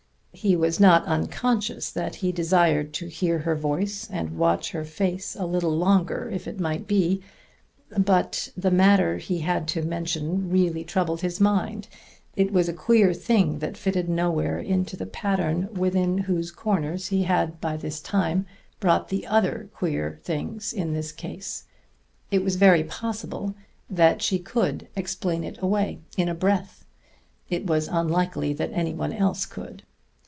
He was not unconscious that he desired to hear her voice and watch her face a little longer, if it might be; but the matter he had to mention really troubled his mind, it was a queer thing that fitted nowhere into the pattern within whose corners he had by this time brought the other queer things in the case. It was very possible that she could explain it away in a breath: it was unlikely that any one else could.